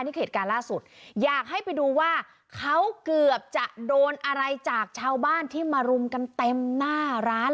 นี่เหตุการณ์ล่าสุดอยากให้ไปดูว่าเขาเกือบจะโดนอะไรจากชาวบ้านที่มารุมกันเต็มหน้าร้าน